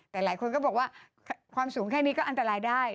แต่หลายคนก็บอกว่าความสูงแค่นี้ก็อันตรายได้